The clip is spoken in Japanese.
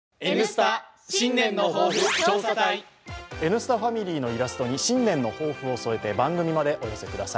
「Ｎスタ」ファミリーのイラストに新年の抱負を添えて番組までお寄せください。